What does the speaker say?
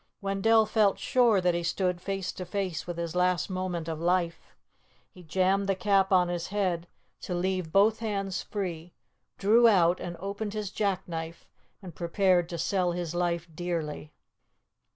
Wendell felt sure that he stood face to face with his last moment of life. He jammed the Cap on his head to leave both hands free, drew out and opened his jackknife and prepared to sell his life dearly.